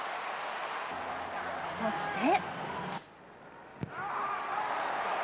そして。